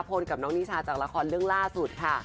พลกับน้องนิชาจากละครเรื่องล่าสุดค่ะ